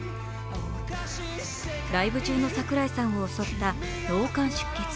ライブ中の櫻井さんを襲った脳幹出血